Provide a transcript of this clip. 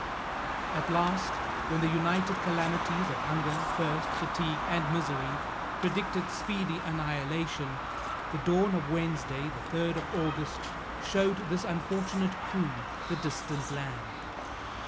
At last when the united calamities of hunger, thirst, fatigue and misery, predicted speedy annihilation, the dawn of Wednesday, the 3d of August, shewed this unfortunate crew the distant land.